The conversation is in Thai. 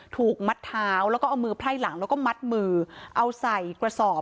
ถูกมัดเท้าแล้วก็เอามือไพร่หลังแล้วก็มัดมือเอาใส่กระสอบ